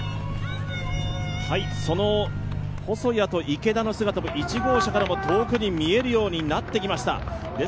その細谷と池田の姿も１号車からも遠くに見えるようになってきました。